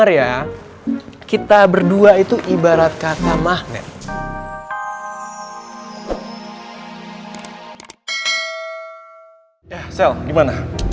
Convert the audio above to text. ya sel gimana